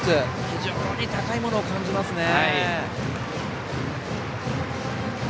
非常に高いものを感じますね。